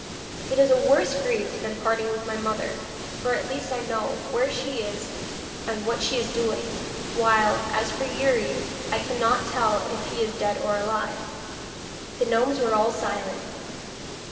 It is a worse grief than parting with my mother, for at least I know where she is and what she is doing; while, as for Youri, I cannot tell if he is dead or alive.' The gnomes were all silent.